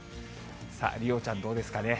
さあ、梨央ちゃんどうですかね？